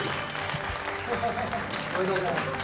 おめでとうございます。